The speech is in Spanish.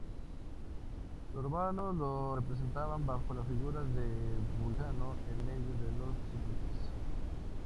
Los romanos lo representaban bajo la figura de Vulcano en medio de los cíclopes.